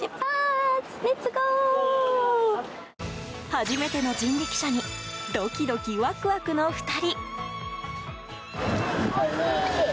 初めての人力車にドキドキ、ワクワクの２人。